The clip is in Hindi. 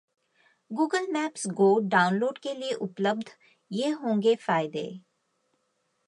Google Maps Go डाउनलोड के लिए उपलब्ध, ये होंगे फायदे